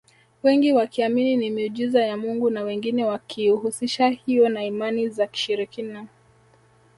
Wengi wakiamini ni miujiza ya mungu na wengine wakiihusisha hiyo na imani za kishirikina